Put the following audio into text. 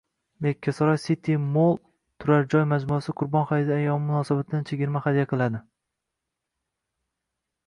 Yakkasaroy City Mall turar-joy majmuasi Qurbon Hayit ayyomi munosabati bilan chegirma hadya qiladi